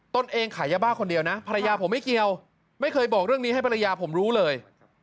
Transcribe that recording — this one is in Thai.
ตนเองขายยาบ้าคนเดียวนะภรรยาผมไม่เกี่ยวไม่เคยบอกเรื่องนี้ให้ภรรยาผมรู้เลย